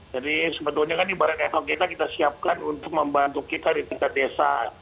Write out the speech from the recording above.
jadi sebetulnya kan di barang barang kita kita siapkan untuk membantu kita di tingkat desa